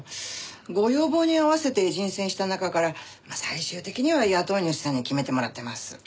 ご要望に合わせて人選した中からまあ最終的には雇い主さんに決めてもらってます。